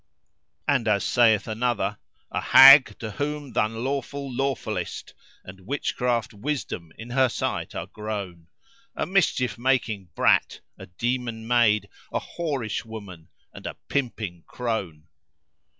And as saith another:— A hag to whom th' unlawful lawfullest * And witchcraft wisdom in her sight are grown: A mischief making brat, a demon maid, * A whorish woman and a pimping crone.